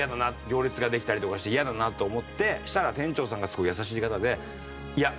行列ができたりとかして嫌だなと思ってそしたら店長さんがすごい優しい方でいや